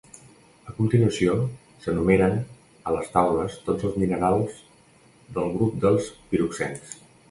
A continuació s'enumeren a les taules tots els minerals del grup dels piroxens.